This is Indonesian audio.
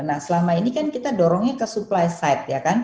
nah selama ini kan kita dorongnya ke supply side